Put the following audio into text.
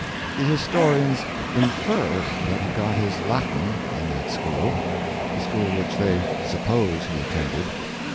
The historians "infer" that he got his Latin in that school—the school which they "suppose" he attended.